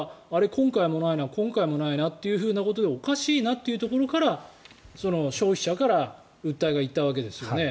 今回もないな今回もないなということでおかしいなというところから消費者から訴えが行ったわけですよね。